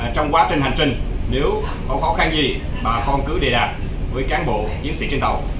trong quá trình hành trình nếu có khó khăn gì bà con cứ đề đạt với cán bộ chiến sĩ trên tàu